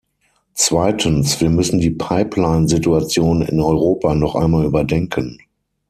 Zweitens, wir müssen die Pipeline-Situation in Europa noch einmal überdenken.